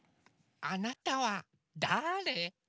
あなたはだあれ？